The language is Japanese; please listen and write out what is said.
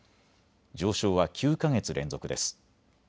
上昇は９か月連続です。